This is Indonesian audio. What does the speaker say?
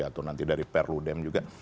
atau nanti dari per ludem juga